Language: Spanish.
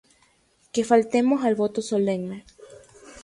Que faltemos al voto solemne